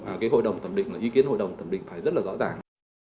cái hội đồng thẩm định ý kiến hội đồng thẩm định phải rất là rõ ràng